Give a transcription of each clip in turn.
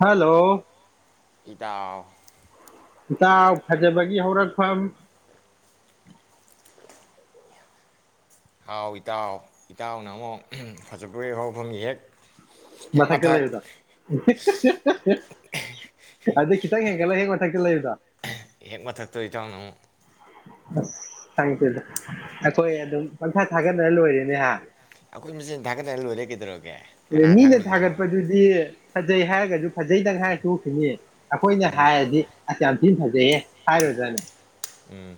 hello ꯏꯇꯥꯎ ꯇꯥꯎ ꯐꯖꯕꯒꯤ ꯍꯧꯔꯛꯐꯝ ꯍꯥꯎ ꯏꯇꯥꯎ ꯏꯇꯥꯎꯅ ꯑꯃꯨꯛ ꯐꯖꯄꯦꯛ ꯍꯔꯥꯎꯐꯝꯃꯤ ꯍꯦꯛ ꯍꯦꯛ ꯃꯊꯛꯇ ꯃꯊꯛ ꯂꯩꯕꯗ ꯑꯗꯨ ꯈꯤꯇꯪ ꯍꯦꯟꯒꯠꯂ ꯍꯦꯛ ꯃꯊꯛꯇ ꯂꯩꯕꯗ ꯍꯦꯛ ꯃꯊꯛꯇꯣ ꯏꯇꯥꯎꯅ ꯑꯃꯨꯛ ꯑꯁꯪꯗꯦꯗ ꯑꯩꯈꯣꯏ ꯑꯗꯨꯝ ꯄꯪꯁꯥ ꯊꯥꯒꯠꯅꯔ ꯂꯣꯏꯔꯦꯅꯦꯍ ꯑꯩꯈꯣꯏ ꯊꯥꯅ ꯂ ꯂꯩ ꯀꯦꯗꯔꯣ ꯑꯗ ꯃꯤꯅ ꯊꯥꯒꯠꯄꯗꯨꯗꯤ ꯐꯖꯩ ꯍꯥꯏꯔꯒꯁꯨ ꯐꯖꯩꯗꯪ ꯍꯥꯏꯔ ꯇꯣꯛꯈꯤꯅꯤ ꯑꯩꯈꯣꯏꯅ ꯎꯝ ꯍꯥꯏꯔꯗꯤ ꯊꯤꯅ ꯐꯖꯌꯦ ꯍꯥꯏꯔꯨꯖꯥꯠꯅꯤ ꯎꯝ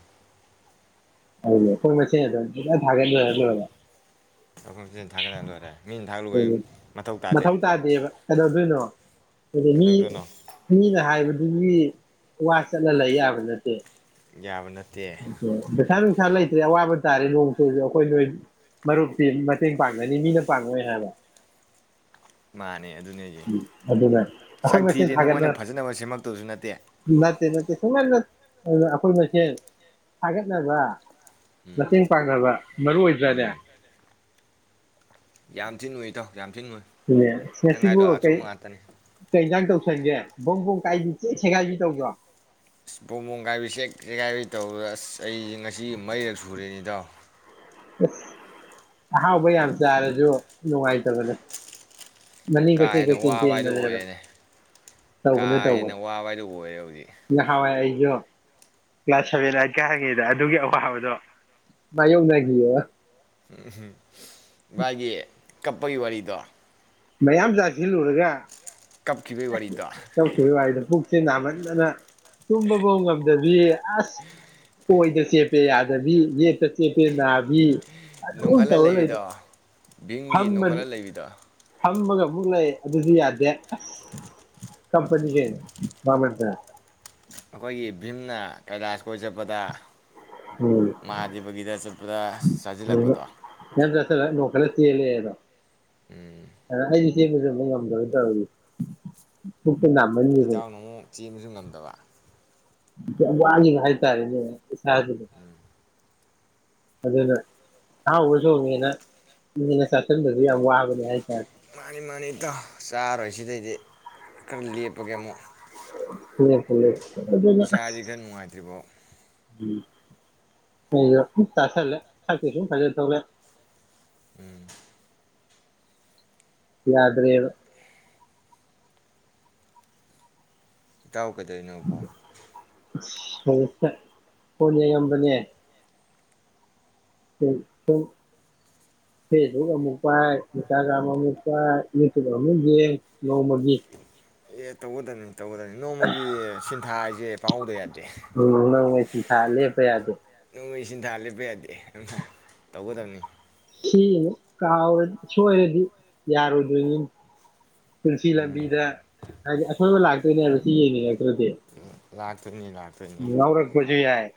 ꯑꯣꯏ ꯃ ꯑꯗꯨ ꯊꯒ ꯑꯩꯈꯣꯏ ꯃꯆꯤꯟ ꯊꯥꯒꯠꯅ ꯂꯣꯏꯔꯦ ꯃꯤꯅ ꯊꯥꯒꯠꯂꯨꯕꯩ ꯇꯥꯗꯦ ꯃꯊꯧ ꯇꯥꯗꯦꯕ ꯀꯩꯅꯣꯗꯣꯏꯅꯣ ꯑꯗꯨꯗꯤ ꯃꯤ ꯀꯩꯗꯧꯗꯣꯏꯅꯣ ꯃꯤꯅ ꯍꯥꯏꯕ ꯑꯗꯨꯒꯤ ꯋꯥ ꯆꯠꯅ ꯂꯩ ꯌꯥꯕ ꯅꯠꯇꯦ ꯌꯥꯕꯅ [unintelligible] ꯄꯩꯁꯥ ꯅꯨꯡꯁꯥ ꯂꯩꯇ꯭ꯔꯦ ꯑꯋꯥꯕ ꯇꯥꯔꯦ ꯅꯣꯡ ꯆꯨꯕꯁꯨ ꯑꯩꯈꯣꯏ ꯅꯣꯏ ꯃꯔꯨꯞꯇꯤ ꯃꯇꯦꯡ ꯄꯥꯡꯒꯅꯤ ꯃꯤꯅ ꯄꯥꯡꯉꯣꯏ ꯍꯥꯏꯕ ꯃꯥꯅꯦ ꯑꯗꯨꯅꯦ ꯑꯩꯁꯦ ꯑꯗꯨꯅ ꯑꯩꯈꯣꯏ ꯁꯛ ꯃꯆꯦꯟ ꯊꯤꯔꯦꯅ ꯃꯣꯏꯅ ꯊꯒꯠꯅ ꯐꯖꯅꯕ ꯁꯦꯝꯃꯛꯇꯕꯁꯨ ꯅꯠꯇꯦ ꯅꯠꯇꯦ ꯅꯠꯇꯦ ꯅꯠꯇ ꯑ ꯑꯈꯣꯏꯁꯦꯦ ꯍꯥꯏꯒꯠꯅꯕ ꯎꯝ ꯃꯇꯦꯡ ꯄꯥꯡꯅꯕ ꯃꯔꯨ ꯑꯣꯏꯕ꯭ꯔꯥꯅꯦ ꯎꯝ ꯌꯥꯝ ꯊꯤꯅ ꯅꯣꯏ ꯏꯇꯥꯎ ꯌꯥꯝ ꯊꯤꯅ ꯎꯏ ꯏ ꯅꯪ ꯉꯁꯤꯕꯨ ꯍꯥꯏꯗꯣ ꯀꯩ ꯑꯆꯨꯝꯕ ꯉꯥꯛꯇꯅꯤ ꯀꯩꯇꯪ ꯇꯧꯁꯟꯒꯦ ꯕꯣꯡ ꯕꯣꯡ ꯀꯥꯏꯗꯤ ꯆꯦ ꯁꯦꯒꯥꯏꯁꯤ ꯇꯧꯕ꯭ꯔꯣ ꯑꯁ ꯄꯕꯣꯝꯕꯣꯝ ꯀꯥꯏꯕꯩ ꯆꯦꯛ ꯆꯦꯒꯥꯏꯕꯩ ꯇꯧꯕꯗ ꯑꯁ ꯑꯩꯁꯦ ꯉꯁꯤ ꯃꯔꯤꯔꯛ ꯁꯨꯔꯦꯅꯤꯗꯣ ꯍꯥꯎꯩ ꯑ ꯆꯔꯦꯖꯑꯣ ꯅꯨꯡꯉꯥꯏ ꯇ ꯀꯥ ꯍꯦꯟꯅ ꯋꯥꯕ ꯍꯥꯏꯗꯨ ꯑꯣꯏꯔꯦꯅꯦ ꯀꯥ ꯇꯧꯕꯅꯦ ꯍꯦꯟꯅ ꯇꯧꯕꯅꯦ ꯋꯥꯕ ꯍꯥꯏꯗꯨ ꯑꯣꯏꯔꯦ ꯍꯧꯖꯤꯛ ꯑ ꯀ꯭ꯂꯥꯁ ꯁꯚꯦꯟ ꯑꯥꯏꯠ ꯀ ꯍꯪꯉꯤꯗ ꯑꯗꯨꯒꯤ ꯑꯋꯥꯕꯗꯣꯌꯣꯛ [unintelligible] ꯎꯝꯍꯨ ꯏꯁ ꯃꯥꯒꯤ ꯀꯞꯄꯩ ꯋꯥꯔꯤꯗꯣ ꯃꯌꯥꯝ ꯆꯥꯁꯤꯜꯂꯨꯔꯒ ꯀꯞꯈꯤꯕꯩ ꯋꯥꯔꯤꯗꯣ ꯍꯤ ꯁꯤ ꯅꯥꯃꯟꯗꯅ ꯇꯨꯝꯕꯕꯧ ꯉꯝꯗꯕꯤ ꯑꯁ ꯑꯣꯏꯗ ꯆꯦꯞꯄꯦ ꯌꯥꯗꯕꯤ ꯌꯦꯠꯇ ꯆꯦꯞꯄꯦ ꯅꯥꯕꯤ ꯑꯗꯨꯝ ꯅꯣꯡꯈꯠꯂ ꯇꯧꯔ ꯂꯩ ꯂꯩꯕꯤꯗꯣ ꯚꯤꯝꯒꯤ ꯐꯝꯃ ꯅꯣꯡꯈꯠꯂ ꯂꯩꯕꯤꯗꯣ ꯐꯝꯃꯒ ꯑꯃꯨꯛ ꯂꯩ ꯑꯗꯨꯁꯨ ꯌꯥꯗꯦ ꯑꯁ ꯀꯞꯄꯅꯤꯍꯦ ꯃꯥꯃꯠꯇ ꯑꯩꯈꯣꯏꯒꯤ ꯚꯤꯝꯅ ꯀꯩꯂꯥꯁ ꯀꯣꯏ ꯆꯠꯄꯗ ꯎꯝ ꯃꯍꯥꯗꯦꯕꯒꯤꯗ ꯆꯠꯄꯗ ꯆꯥꯖꯤꯜꯂꯛꯄꯗꯣ ꯆꯂ ꯅꯣꯡꯈꯠꯂ ꯆꯦꯜꯂꯦꯗꯣ ꯎꯝ ꯑꯗ ꯑꯩ ꯆꯦꯟꯒꯗꯕ ꯉꯝꯗꯕ ꯇꯧꯔꯤꯖꯦ ꯎꯝ ꯏꯆꯥꯎꯅ ꯑꯃꯨꯛ ꯆꯦꯟꯕꯁꯨ ꯉꯝꯗꯕ ꯌꯥꯝ ꯋꯥꯒꯤꯕ ꯍꯥꯏꯇꯥꯔꯦꯅꯦ ꯏꯁꯥꯖꯤꯗ ꯑꯗꯨꯅ ꯑꯍꯥꯎꯕ ꯊꯣꯡꯉꯦꯅ ꯍꯦꯟꯖꯤꯟꯅ ꯆꯥꯁꯤꯟꯕꯗꯤ ꯌꯥꯝꯅ ꯋꯥꯕꯅꯤ ꯍꯥꯏꯇꯥꯔꯦ ꯃꯥꯅꯤ ꯃꯥꯅꯤ ꯏꯇꯥꯎ ꯆꯥꯔꯣꯏ ꯁꯤꯗꯩꯗꯤ ꯈꯔ ꯂꯦꯞꯄꯒꯦ ꯑꯃꯨꯛ ꯂꯦꯞꯄꯣ ꯂꯦꯞꯄꯣ ꯀꯩꯗꯧꯗꯨꯢꯅꯣ ꯑꯁ ꯏꯁꯥꯁꯤ ꯈꯔ ꯅꯨꯡꯉꯥꯏꯇ꯭ꯔꯤꯕꯣ ꯎꯝ ꯍꯦꯟꯅ ꯁꯨꯝ ꯆꯥꯁꯤꯜꯂꯦ ꯁꯛꯇꯤ ꯁꯨꯝ ꯐꯖꯊꯣꯛꯂꯛꯑꯦ ꯎꯝ ꯌꯥꯗ꯭ꯔꯦꯕ ꯏꯇꯥꯎ ꯀꯩꯗꯣꯢꯅꯣ ꯕꯣ ꯑꯁ ꯍꯩꯅꯤꯡꯇꯦ ꯐꯣꯟ ꯌꯦꯡꯉꯝꯕꯅꯦ ꯐꯣꯟ ꯁꯨꯝ ꯐꯦꯁꯕꯨꯛ ꯑꯃꯨꯛ ꯄꯥꯏ ꯏꯟꯁꯇꯥꯒ꯭ꯔꯝ ꯑꯃꯨꯛ ꯄꯥꯏ ꯌꯨ ꯇ꯭ꯌꯨꯞ ꯑꯃꯨꯛ ꯌꯦꯡ ꯅꯣꯡꯃꯒꯤ ꯑꯦ ꯇꯧꯒꯗꯕꯅꯤ ꯇꯧꯒꯗꯕꯅꯤ ꯅꯣꯡꯃꯒꯤ ꯁꯤꯟ ꯊꯥꯖꯦ ꯄꯥꯍꯧꯗ ꯌꯥꯗꯦ ꯎꯝ ꯅꯣꯡꯃꯩ ꯁꯤꯟꯊꯥ ꯂꯦꯄ ꯌꯥꯗꯦ ꯁꯤꯟꯊꯥ ꯂꯦꯞꯄ ꯌꯥꯗꯦ ꯑꯗꯨꯅ ꯇꯧꯒꯗꯕꯅꯤ ꯁꯤꯅꯤꯅꯦ ꯀꯥꯎꯔꯗꯤ ꯁꯣꯏꯔꯗꯤ ꯌꯥꯔꯣꯢꯗꯨꯏꯅꯤꯅꯦ ꯄꯨꯟꯁꯤ ꯎꯝ ꯂꯝꯕꯤꯗ ꯍꯥꯏꯗꯤ ꯑꯁꯣꯏꯕ ꯂꯥꯛ ꯀꯩꯅꯔꯁꯤ ꯌꯦꯉꯤ ꯅꯪ ꯑꯗꯨꯗꯤ ꯂꯥꯛꯇꯣꯏꯅꯤ ꯅꯧꯔꯒ ꯄꯨꯁꯤꯕꯤ ꯌꯥꯏ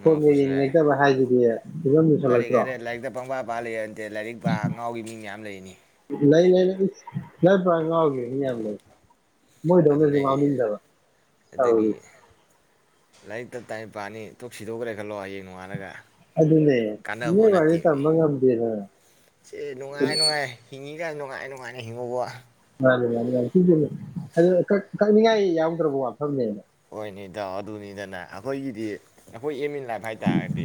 ꯉꯥꯎ ꯐꯣꯟꯒ ꯄꯨꯁꯨ ꯌꯥꯏ ꯌꯦꯡꯅꯤꯡꯉꯛꯇꯕ ꯍꯥꯏꯁꯤꯗꯤ ꯐꯤꯕꯝ ꯂꯥꯏꯔꯤꯛ ꯂꯨꯁꯜꯂꯛꯇ꯭ꯔꯣ ꯍꯥꯏꯔꯦ ꯂꯥꯏꯔꯤꯛꯇ ꯄꯪꯕꯥ ꯄꯥ ꯂꯩꯔꯗꯦ ꯂꯥꯏꯔꯤꯛ ꯄꯥ ꯉꯥꯎꯒꯤ ꯃꯤ ꯃꯌꯥꯝ ꯂꯩ ꯂꯩ ꯂꯩ ꯂꯩ ꯂꯩ ꯄꯒꯦ ꯅ ꯃꯣꯏꯗ ꯑꯗꯨꯅꯦ ꯑꯩ ꯃꯣꯏꯗꯗꯕ ꯂꯥꯏꯔꯤꯛꯛꯇ ꯇꯥꯏꯄꯥꯥꯅꯤ ꯇꯣꯛ ꯁꯤꯗꯣꯛꯈ꯭ꯔꯦ ꯈꯜꯂꯣ ꯍꯌꯦꯡ ꯅꯣꯡꯉꯥꯂꯒ ꯑꯗꯨꯗꯅꯦꯦ ꯏ ꯋꯥꯦ ꯇꯝꯕ ꯀꯃꯇꯤꯔ ꯍꯤꯡꯉꯤꯔ ꯅꯨꯡꯉꯥꯏꯅ ꯅꯨꯡꯉꯥꯏꯅ ꯍꯤꯡꯉꯨꯕ ꯃꯥꯅꯤ ꯃꯥꯅꯤ ꯃꯥ ꯀꯛꯅꯤꯡꯉꯥꯏ ꯌꯥꯎꯗ꯭ꯔꯕ ꯋꯥꯐꯝꯅꯦꯕ ꯍꯣꯏꯅꯤꯗ ꯑꯗꯨꯅꯤꯗꯅꯦ ꯑꯩꯈꯣꯏꯒꯤꯗꯤ ꯑꯩꯈꯣꯏ ꯑ ꯑꯦ ꯂꯥꯏꯐꯥꯏꯗꯥꯕꯤ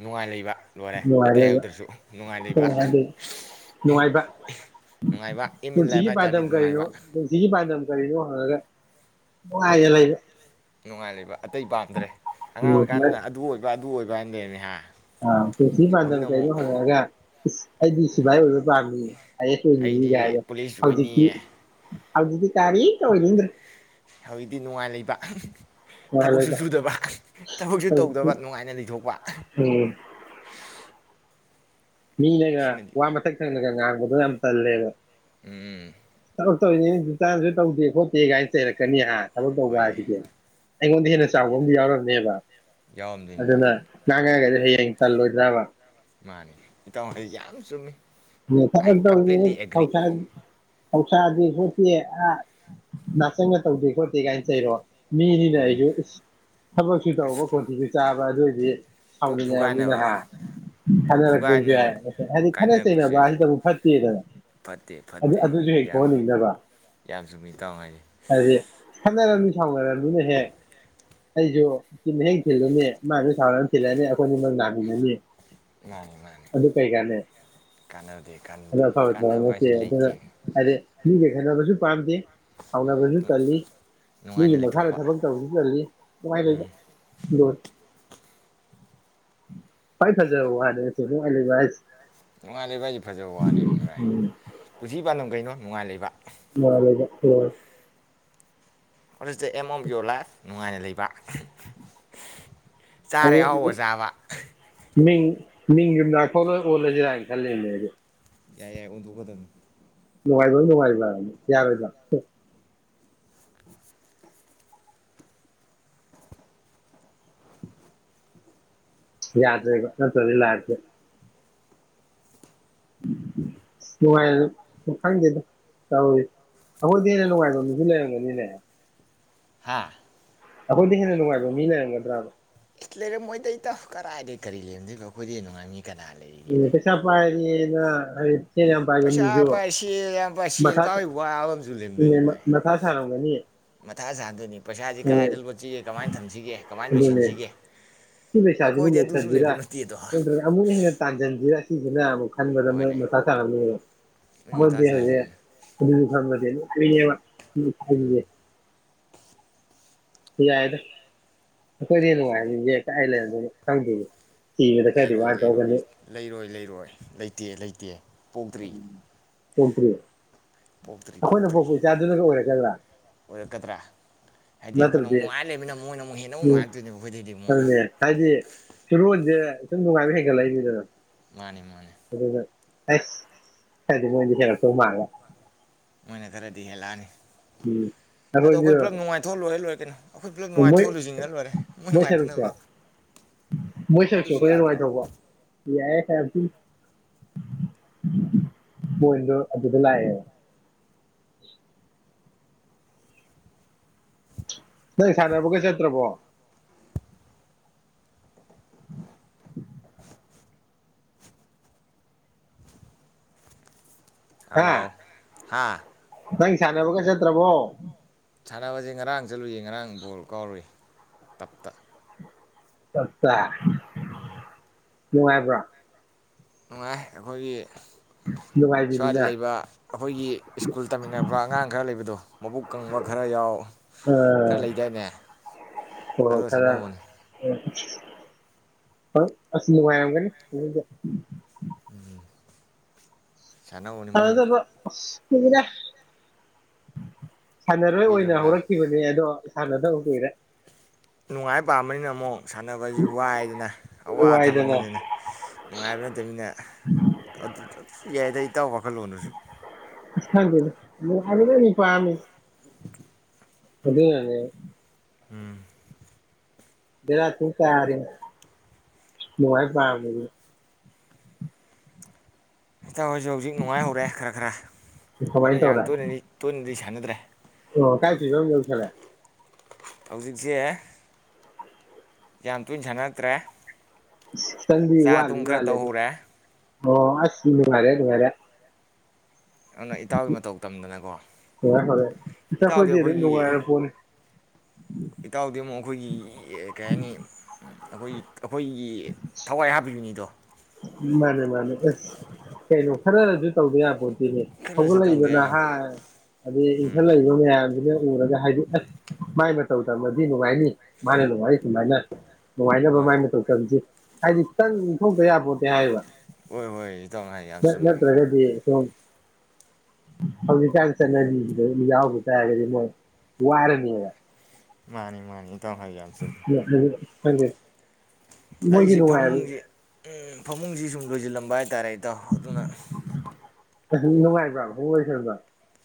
ꯅꯨꯡꯉꯥꯏ ꯂꯩꯕ ꯂꯣꯏꯔꯦ ꯅꯨꯡꯉꯥꯏ ꯑꯇꯩ ꯂꯩꯕ ꯍꯧꯗ꯭ꯔꯁꯨ ꯅꯨꯡꯉꯥꯏ ꯀꯩ ꯂꯩꯕ ꯍꯥꯏꯗꯣꯏ ꯅꯨꯡꯉꯥꯏꯕ ꯅꯨꯡꯉꯥꯏꯕ ꯏꯝ ꯏꯟ ꯂꯥꯏꯐ ꯍꯥꯏ ꯇꯥꯔꯗꯤ ꯅꯨꯡꯉꯥꯏꯕ ꯀꯒꯥꯔꯤꯗꯣ ꯍꯔꯒ ꯅꯨꯡꯉꯥꯏꯌꯦꯦ ꯂꯩꯕ ꯅꯨꯡꯉꯥꯏ ꯂꯩꯕ ꯑꯇꯩ ꯄꯥꯝꯗ꯭ꯔꯦ ꯑꯉꯥꯡ ꯑꯣꯏꯔꯤꯀꯥꯟꯗꯅ ꯑꯗꯨ ꯑꯣꯏꯕ ꯑꯗꯨ ꯑꯣꯏꯕ ꯋꯥꯗꯅꯤ ꯍꯥ ꯑ ꯐꯁꯤ ꯐꯥꯗꯅ ꯍꯧꯖꯤꯛꯅ ꯀꯗ ꯑꯃꯨꯛ ꯍꯔꯒ ꯏꯁ ꯑꯩꯗꯤ ꯁꯤꯐꯥꯏ ꯑꯣꯏꯕ ꯄꯥꯝꯃꯤ ꯑꯥꯏ ꯑꯦꯁ ꯑꯣꯏꯅꯤꯡꯅꯤ ꯑꯩꯗꯤ ꯀꯒ ꯄꯨꯂꯤꯁ ꯍꯧꯖꯤꯛꯇꯤ ꯑꯣꯏꯅꯤꯌꯦ ꯍꯥꯎꯗꯗꯤ ꯇꯥꯔꯤ ꯇꯧꯣꯏꯅꯤ ꯍꯧꯖꯤꯛꯇꯤ ꯅꯨꯡꯉꯥꯏ ꯂꯩꯕ ꯅꯨꯡꯉꯥꯏ ꯊꯕꯛꯁꯨ ꯂꯩꯕ ꯁꯨꯗꯕ ꯊꯕꯛꯁꯨ ꯍꯧꯖꯤꯛꯇꯤ ꯇꯧꯗꯕ ꯅꯨꯡꯉꯥꯏꯅ ꯂꯩꯊꯣꯛꯄ ꯎꯝ ꯃꯤ ꯂꯩꯒ ꯁꯤꯅꯗꯤ ꯋꯥ ꯃꯊꯛ ꯊꯪꯅꯒ ꯥꯛꯕꯗ ꯌꯥꯝꯝ ꯄꯜ ꯂꯩꯦ ꯎꯝ ꯇꯧꯔꯤꯅꯤ ꯨꯇꯥꯟꯁꯨ ꯇꯧꯗꯦ ꯈꯣꯠꯇꯦ ꯀꯥꯏꯅ ꯆꯩꯔꯛꯀꯅꯤ ꯍꯥꯏꯍ ꯊꯕꯛ ꯇꯧꯕ ꯍꯣꯏꯌꯦ ꯍꯥꯏꯁꯤꯗꯤ ꯑꯩꯉꯣꯟꯗ ꯍꯦꯟꯅ ꯆꯥꯎꯕ ꯑꯃꯗꯤ ꯌꯥꯎꯔꯝꯅꯦꯕ ꯑꯗꯨꯅ ꯌꯥꯎꯔꯝꯗꯣꯏꯅꯤ ꯉꯥꯡꯉꯔꯒꯗꯤ ꯍꯌꯦꯡ ꯇ ꯂꯣꯏ ꯌꯥꯕꯥꯛ ꯃꯥꯅꯤ ꯏꯇꯥꯎ ꯍꯥꯏꯗꯤ ꯌꯥꯝ ꯆꯨꯝꯃꯤ ꯑꯥꯏ ꯅꯁꯥꯏ ꯇ ꯀꯝꯄ꯭ꯂꯤꯠꯂꯤ ꯑꯦꯒ꯭ꯔꯤ ꯊꯧꯁꯗ ꯄꯧꯁꯥꯗꯤꯦ ꯈꯣꯠꯇꯦ ꯅꯥꯁꯪꯒ ꯇꯧꯗꯦ ꯈꯣꯠꯇꯦ ꯀꯥꯏꯅ ꯆꯩꯔꯣ ꯃꯤꯅꯤꯅ ꯍꯣꯏꯅꯦ ꯑꯩꯁꯨ ꯊꯕꯛꯁꯨ ꯇꯧꯕ ꯑꯁ ꯀꯣꯟꯇꯤꯁꯨ ꯆꯥꯕ ꯑꯗꯨ ꯑꯣꯏꯏꯗꯤ ꯇꯣꯞ ꯁꯥꯎꯅꯤꯡꯟꯅꯕꯅꯤꯅꯍ ꯐꯨꯒꯥꯏꯅꯕ ꯇꯣꯞ ꯈꯟꯅꯔꯛꯄꯁꯨ ꯐꯨꯒꯥꯏꯅ ꯌꯥꯏ ꯍꯥꯏꯗꯤ ꯈ ꯀꯥꯏꯅꯔꯛꯄꯁꯦ ꯅꯕ ꯁꯤꯗꯕꯨꯨꯛ ꯐꯠꯇꯦꯗꯅ ꯐꯠꯇꯦ ꯐꯠꯇꯦ ꯑꯗꯨꯁꯨ ꯍꯦꯛ ꯌꯥꯝ ꯊꯣꯛꯍꯟꯅꯤꯡꯗꯅꯕ ꯌꯥꯝ ꯆꯨꯝꯃꯤ ꯏꯇꯥꯎ ꯍꯥꯏꯁꯦ ꯍꯥꯏꯗꯤ ꯈꯅꯔꯝꯅꯤ ꯁꯥꯎꯅꯔꯅꯤꯅ ꯍꯦꯛ ꯑꯩꯁꯨ ꯏꯤ ꯍꯦꯛ ꯊꯤꯜꯂꯅꯤ ꯃꯥꯁꯨ ꯁꯥꯎꯅꯔꯅꯤ ꯊꯤꯜꯂꯅꯤ ꯑꯩꯈꯣꯏꯅꯤ ꯅꯪ ꯅꯥꯃꯤꯟꯅꯅꯤ ꯃꯥꯅꯦ ꯃꯥꯅꯤ ꯀꯥꯟꯅꯗꯦ ꯀꯥꯟꯅꯗꯦ ꯑ ꯀꯥꯟꯅꯕ ꯍꯥꯏꯁꯤ ꯂꯩꯇꯦ ꯐꯦꯦ ꯦ ꯈꯠꯅꯕꯁꯨ ꯄꯥꯝꯗꯦ ꯍꯧꯥꯎꯅꯕꯁꯨ ꯆꯜꯂꯤ ꯃꯤꯒꯤ ꯅꯨꯡꯉꯥꯏꯅ ꯃꯈꯥꯗ ꯂꯩꯊꯣꯛꯄ ꯊꯕꯛ ꯇꯧꯕꯁꯨ ꯆꯜꯂꯤꯉꯥꯏ ꯐꯥꯏ ꯐꯖꯔ ꯋꯥꯗꯁꯤ ꯉꯥꯏ ꯅꯨꯡꯉꯥꯜꯂꯦ ꯚꯥꯏꯁꯦ ꯐꯖꯕ ꯋꯥꯅꯦ ꯚꯥꯏ ꯄꯨꯟꯁꯤ ꯄꯥꯟꯗꯝ ꯀꯩꯅꯣ ꯅꯨꯡꯉꯥꯏ ꯂꯩꯕ ꯃꯥꯗ ꯍ ꯑꯣꯂꯤꯁꯇ ꯑꯦꯝ ꯑꯣꯝ ꯌ ꯌꯣꯜꯂ ꯅꯨꯡꯉꯥꯏꯅ ꯂꯩꯕ ꯆꯥꯔꯦ ꯍꯧꯕ ꯆꯥꯕ ꯃꯤꯡ ꯃꯤꯡ ꯌꯨꯝꯗ ꯊꯣꯛꯣꯂꯣꯏ ꯑꯣꯜꯂꯁꯤꯔꯥꯅ ꯈꯜꯂꯤꯅꯦ ꯑꯩꯗ ꯌꯥꯏ ꯌꯥꯏ ꯎꯗꯣꯛꯍꯗ ꯌꯥꯔꯦꯗ [inaudible] [inaudible] ꯌꯥꯗꯦꯒ ꯅ ꯆꯂꯂ ꯍꯥꯏꯇꯦ ꯅꯨꯡꯉꯥꯏ ꯈꯪꯗꯦꯗ ꯆꯥꯨ ꯑꯩꯈꯣꯏꯗꯤ ꯍꯦꯟꯅ ꯅꯨꯡꯉꯥꯏꯕ ꯃꯤꯁꯨ ꯂꯩꯔꯝꯒꯅꯤꯅꯦ ꯍꯥꯥ ꯑꯩꯈꯣꯏꯦꯅꯅꯨꯡꯉꯥꯏꯕ ꯃꯤ ꯂꯩꯔꯪꯒꯗ꯭ꯔꯥ ꯂꯩꯔꯝꯃꯣꯏꯇꯩꯩꯇ ꯀꯗꯥꯏꯗꯒꯤꯩ ꯀꯔꯤ ꯂꯩꯔꯗꯣꯏꯅꯣ ꯑꯩꯈꯣꯏꯗꯤ ꯅꯨꯡꯉꯥꯏꯃꯤ ꯀꯩꯁꯥ ꯄꯥꯏꯔꯤ ꯄꯁꯨ ꯄꯩꯁꯥ ꯄꯥꯏ ꯁꯦꯜ ꯌꯥꯝ ꯄꯥꯏ ꯁꯦꯜ ꯄꯥꯏꯕꯩ ꯋꯥꯕ ꯑꯃꯁꯨ ꯂꯩꯔꯝꯗꯣꯏꯅꯤ ꯚꯥꯏ ꯅꯊꯥ ꯁꯥꯔ ꯑꯃꯅꯤꯅꯤ ꯃꯊꯥ ꯁꯥꯗꯨꯅꯤ ꯄꯩꯁꯥꯁꯤ ꯀꯗꯥꯏꯗ ꯂꯣꯠꯁꯤꯒꯦ ꯀꯃꯥꯏꯅ ꯊꯝꯁꯤꯒꯦ ꯀꯃꯥꯏꯅ ꯑꯗꯨꯅꯦ ꯂꯣꯏꯁꯤꯟꯁꯤꯒꯦ ꯁꯤ ꯂꯩꯁꯕꯨ ꯑꯩꯈꯣꯏꯗꯤ ꯑꯗꯨꯁꯨ ꯂꯩꯁꯕꯤꯔ ꯂꯩꯕ ꯅꯠꯇꯦꯗꯣ ꯑꯃꯨ ꯍ ꯇꯥꯛꯖꯕꯤꯔ ꯁꯤ ꯑꯗꯨꯅ ꯑꯃꯨ ꯑ ꯃ ꯍꯣꯏꯅꯦ ꯃꯁꯥ ꯆꯉꯅꯤ ꯅꯣꯏ ꯃꯊꯥ ꯁꯥꯏꯅꯤꯅꯦ ꯦ ꯌꯥꯏꯗ ꯑꯩꯈꯣꯏꯗꯤ ꯅꯨꯡꯉꯥꯏꯔꯅꯤꯛꯇ ꯑꯩ ꯂꯩꯔꯝ ꯈꯪꯗꯦ ꯊꯤꯕꯗ ꯈꯔꯗꯤ ꯂꯩꯔꯣꯏ ꯋꯥꯅ ꯂꯩꯔꯣꯏ ꯇꯧꯔꯛꯀꯅꯤ ꯂꯩꯔꯣꯏ ꯂꯩꯔꯣꯏ ꯂꯩ ꯂꯩꯇꯦ ꯂꯩꯇꯦ ꯄꯣꯛꯇ꯭ꯔꯤ ꯎꯝ ꯆꯣꯝꯄꯔꯤ ꯄꯣꯛꯇ꯭ꯔꯤ ꯑꯩꯈꯣꯏꯅ ꯄꯣꯛꯇ꯭ꯔꯤ ꯄꯣꯛꯄ ꯏꯆꯥꯗꯨꯅꯒ ꯑꯣꯏꯔꯛꯀꯗ꯭ꯔꯥ ꯑꯣꯏꯔꯛꯀꯗ꯭ꯔꯥ ꯍꯥꯏꯗꯤ ꯑꯩꯈꯣꯏꯅ ꯑꯃꯨꯛ ꯅꯠꯇ꯭ꯔꯗꯤ ꯅꯨꯡꯉꯥꯏꯔ ꯂꯩꯕꯅꯤꯅ ꯃꯣꯏꯅ ꯑꯃꯨꯛ ꯍꯦꯟꯅ ꯑꯃꯨ ꯎꯝ ꯅꯨꯡꯉꯥꯏꯛꯇꯣꯏꯅꯦꯕ ꯑꯩꯈꯣꯏꯗꯩꯗꯤ ꯑꯃꯨꯛ ꯑꯗꯨꯅꯦ ꯍꯥꯏꯗꯤ ꯐꯤꯔꯣꯟꯁꯦ ꯁꯨꯝ ꯅꯨꯡꯉꯥꯏꯕ ꯍꯦꯟꯒꯠꯂꯛꯏ ꯃꯤꯗꯨꯗꯅ ꯃꯥꯅꯦ ꯃꯥꯅꯦ ꯑꯁ ꯑꯗꯨꯗꯤ ꯃꯣꯏꯗꯤ [unintelligible] ꯃꯣꯏꯅ ꯈꯔꯗꯤ ꯍꯦꯜꯂꯛꯑꯅꯤ ꯑꯗꯣ ꯑꯩꯈꯣꯏꯅ ꯄꯨꯂꯞ ꯑꯩꯈꯣꯏꯁꯨ ꯅꯨꯡꯉꯥꯏꯊꯣꯛ ꯂꯣꯏꯔꯦ ꯂꯣꯏ [unintelligible] ꯃꯣꯏ ꯃꯣꯏ ꯁꯔꯨꯛꯁꯨ ꯅꯨꯡꯉꯥꯏꯇꯅꯕ ꯃꯣꯏ ꯁꯔꯨꯛꯁꯨ ꯑꯗꯨꯁꯨ ꯑꯩꯈꯣꯏꯅ ꯌꯥꯗ꯭ꯔꯣ ꯅꯨꯡꯉꯥꯏꯊꯣꯛꯄ ꯌꯥꯏ [unintelligible] ꯅꯪ ꯁꯥꯟꯅꯕꯒ ꯆꯠꯇ꯭ꯔꯕꯣ ꯍꯥ ꯍꯜꯂꯣ ꯍꯥ ꯅꯪ ꯁꯥꯟꯅꯕꯒ ꯆꯠꯇ꯭ꯔꯕꯣ ꯁꯥꯟꯅꯕꯁꯦ ꯉꯔꯥꯡ ꯆꯠꯂꯨꯏꯌꯦ ꯉꯔꯥꯡ ꯕꯣꯜ ꯀꯥꯎꯔꯨꯏ ꯇꯞꯇ ꯇꯞꯇ ꯎꯝ ꯅꯨꯉꯥꯏꯕꯔꯥ ꯅꯨꯡꯉꯥꯏ ꯑꯩꯈꯣꯏꯒꯤ ꯁ꯭ꯋꯥꯏꯗ ꯅꯨꯡꯉꯥꯏꯕꯤꯅꯤꯅ ꯂꯩꯕ ꯑꯩꯈꯣꯏꯒꯤ ꯁ꯭ꯀꯨꯜ ꯇꯝꯃꯤꯟꯅꯔꯛꯄ ꯑꯉꯥꯡ ꯈꯔ ꯂꯩꯕꯗꯣ ꯃꯕꯨꯛ ꯀꯪꯕ ꯈꯔ ꯌꯥꯎ ꯑ ꯈꯔ ꯂꯩꯗꯥꯏꯅꯦ ꯑꯗꯨꯒ ꯁꯥꯟꯅꯧꯕꯅꯤ ꯅꯨꯉꯥꯏꯔꯝꯒꯅꯤ ꯑꯗꯨꯗꯤ ꯎꯝ [unintelligible] [unintelligible] ꯁꯥꯟꯅꯔꯣꯏ ꯑꯣꯏꯅ ꯀꯨꯏꯔꯕ꯭ꯔꯥ ꯍꯧꯔꯛꯈꯤꯕꯅꯦ ꯑꯗꯣ ꯁꯥꯅꯗꯕ ꯀꯨꯏꯔꯦ ꯅꯨꯡꯉꯥꯏ ꯄꯥꯝꯕꯅꯤꯅ ꯑꯃꯨꯛ ꯁꯥꯟꯅꯕꯁꯤ ꯋꯥꯏꯗꯅ ꯑꯋꯥ ꯋꯥꯏꯗꯅ ꯊꯕꯛꯅꯤꯗꯅ ꯅꯨꯡꯉꯥꯏꯕ ꯅꯠꯇꯝꯅꯤꯅ ꯌꯥꯏꯗ ꯏꯇꯥꯎ ꯋꯥꯈꯜꯂꯣꯟꯗꯨ ꯁꯨ [unintelligible] ꯑꯗꯨꯅꯅꯦ ꯎꯝ [unintelligible] ꯅꯨꯉꯥꯏ ꯄꯥꯝꯕꯥꯖꯤꯗꯤ [unintelligible] ꯍꯧꯖꯤꯛ ꯅꯨꯡꯉꯥꯏ ꯍꯧꯔꯦ ꯈꯔ ꯈꯔ ꯑꯗꯨꯅ ꯀꯃꯥꯏꯅ ꯇꯧꯔꯦ ꯌꯥꯝꯇꯣꯏꯅꯗꯤ ꯇꯣꯏꯅꯗꯤ [unintelligible] ꯑꯣ ꯀꯥꯏ ꯐꯤꯕꯝ ꯌꯧꯁꯜꯂꯦ ꯍꯧꯖꯤꯛꯁꯦ ꯌꯥꯝ ꯇꯣꯏꯅ ꯁꯥꯅꯔꯛꯇꯔ꯭ꯦ [unintelligible] ꯋꯥꯠꯂꯤ ꯃꯥꯂꯦꯗ [unintelligible] [unintelligible] ꯑꯗꯨꯅ ꯏꯇꯥꯎꯒꯤ ꯃꯇꯧ ꯇꯝꯗꯅꯀꯣ ꯐꯔꯦ ꯐꯔꯦ ꯏꯇꯥꯎꯗꯤ ꯑꯩꯈꯣꯏꯗꯤ ꯑꯗꯨꯝ ꯅꯨꯡꯉꯥꯏꯔ ꯄꯣꯠꯅꯤ ꯏꯇꯥꯎ ꯑꯗꯨ ꯑꯃꯨꯛ ꯑꯩꯈꯣꯏꯒꯤ ꯀꯩ ꯍꯥꯏꯅꯤ ꯑꯩꯈꯣꯏ ꯑꯩꯈꯣꯏꯒꯤ ꯑꯦ ꯊꯋꯥꯏ ꯍꯥꯞꯄꯤꯌꯨꯅꯤꯗꯣ ꯃꯥꯅꯦ ꯃꯥꯅꯦ ꯑꯁ ꯀꯩꯅꯣ ꯈꯔꯔꯁꯨ ꯇꯧꯗ ꯌꯥꯕꯣ ꯈꯔꯁꯨ ꯍꯧꯒꯠꯂꯛꯏꯕ ꯇꯧꯗ ꯅ ꯌꯥꯕꯅꯤ ꯍꯥꯏ ꯑꯗꯩ ꯎꯝ ꯏꯟꯈꯠꯂꯛꯏꯕ ꯃꯌꯥꯝ ꯑꯗꯨꯗ ꯎꯔꯒ ꯍꯥꯏꯗꯤ ꯑꯁ ꯃꯥꯏ ꯃꯇ ꯇꯧ ꯇꯝꯃꯗꯤ ꯅꯨꯡꯉꯥꯏꯅꯤ ꯃꯥꯅ ꯅꯨꯡꯉꯥꯏ ꯑꯗꯨꯃꯥꯏꯅ ꯅꯨꯡꯉꯥꯏꯅ ꯍꯣꯏ ꯃꯥꯏꯅ ꯇꯧ ꯇꯔꯤꯁꯤ ꯍꯖꯤꯇꯥꯟ ꯊꯕ ꯇꯌꯥ ꯍꯥꯏꯕ ꯍꯣꯏ ꯍꯣꯏ ꯏꯇꯥꯎꯅ ꯍꯥꯏ ꯌꯥꯝ ꯅ ꯆꯨꯝꯃꯤ ꯅꯠꯇ꯭ꯔꯒꯦꯗꯤ ꯀ ꯍꯧꯗꯤ ꯆꯁ ꯅ ꯌꯥ ꯇꯒ ꯋꯥꯏꯔꯅꯤꯕ ꯃꯥꯅꯤ ꯃꯥꯅꯤ ꯈꯤꯇꯪ ꯍꯥꯏ ꯌꯥꯝ ꯆꯨꯝꯃꯤ ꯍ ꯑꯩꯁꯤ ꯐꯃꯨꯡꯁꯦ ꯎꯝ ꯐꯃꯨꯡꯁꯤ ꯁꯨꯝ ꯂꯣꯏꯁꯤꯜꯂꯝꯕ ꯍꯥꯏꯇꯥꯔꯦ ꯇ ꯑꯗꯨꯅ ꯅꯨꯡꯉꯥꯏꯕ ꯍꯣꯡꯉꯣꯏꯁꯕ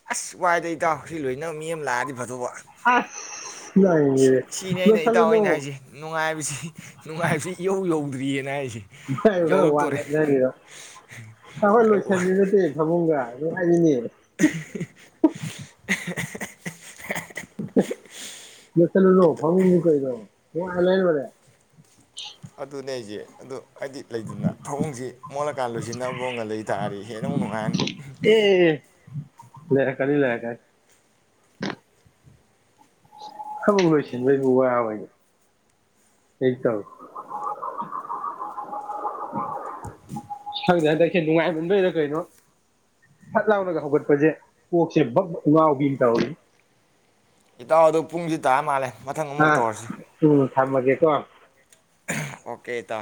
ꯑꯁ ꯋꯥꯏꯗꯩ ꯏꯇꯥꯎ ꯍꯧꯖꯤꯛ ꯂꯣꯏꯅ ꯃꯤ ꯑꯃ ꯂꯥꯛꯑꯗꯤ ꯐꯗꯧꯕ ꯑꯁ ꯅꯪꯒꯤꯗꯤ ꯁꯤꯅꯤ ꯑꯩꯅ ꯂꯣꯏꯁꯜꯂꯨꯅꯨ ꯏꯇꯥꯎꯅ ꯍꯥꯏꯁꯦ ꯅꯨꯡꯉꯥꯏꯕꯁꯤ ꯅꯨꯡꯉꯥꯏꯕꯁꯤ ꯏꯍꯧ ꯌꯧꯕ ꯀ꯭ꯔꯤꯌꯦꯅ ꯍꯥꯏ ꯈꯔ ꯋꯥꯠꯂꯦ ꯅꯒꯤꯗꯣ ꯑꯩꯈꯣꯏ ꯈꯔ ꯋꯥꯏ ꯂꯣꯏꯁꯟꯕꯤ ꯅꯠꯇꯦ ꯐꯃꯨꯡꯒ ꯍꯥꯏꯅꯤ ꯆ [unintelligible] ꯂ [unintelligible] ꯐ [inaudible] [unintelligible] ꯀꯩꯗ ꯍ [unintelligible] ꯑꯟꯂꯥꯏꯟ ꯃꯗ ꯑꯗꯨꯅꯦ ꯑꯩꯁꯦ ꯑꯗꯨ ꯍꯥꯏꯗꯤ ꯂꯩꯗꯅ ꯊꯑꯣꯡꯁꯤ ꯃꯣꯠꯂꯀꯥꯟ ꯂꯣꯏꯁꯤꯟꯅꯕꯒ ꯂꯩꯇꯥꯥꯔꯗꯤ ꯍꯦꯟꯅ ꯑꯃꯨꯛ ꯅꯨꯡꯉꯥꯏꯔꯅꯤ ꯂꯩ ꯀꯅꯤ ꯂꯩꯀ ꯍꯃ ꯑꯣꯏꯣꯏꯁ ꯋꯥꯕ ꯍ ꯇꯧꯏ ꯁꯪꯗꯦ ꯍꯟꯗꯛ ꯍꯦ ꯅꯨꯡꯉꯥꯏꯃꯟꯗꯣꯏꯗ ꯀꯩꯅꯣ ꯐꯠ ꯂꯥꯎꯔꯒ ꯍꯧꯒꯠꯄꯁꯦ ꯀꯣꯛꯁꯦ ꯕ ꯉꯥꯎꯕꯤꯅ ꯇꯧꯔꯤ ꯏꯇꯥꯎꯗꯣ ꯄꯨꯡꯁꯤ ꯇꯥ ꯃꯥꯜꯂꯦ ꯃꯊꯪ ꯑ ꯑꯃꯨꯛ ꯇꯧꯔꯁꯤ ꯎꯝ ꯊꯝꯃꯒꯦ ꯀ ꯀꯦꯇꯥ